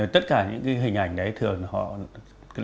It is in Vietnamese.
tất cả những hình ảnh đấy thường họ đưa ra